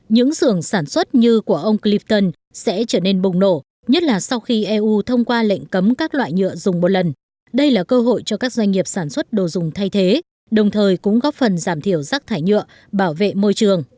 những sưởng sản xuất như của ông clifton sẽ trở nên bùng nổ nhất là sau khi eu thông qua lệnh cấm các loại nhựa dùng một lần đây là cơ hội cho các doanh nghiệp sản xuất đồ dùng thay thế đồng thời cũng góp phần giảm thiểu rác thải nhựa bảo vệ môi trường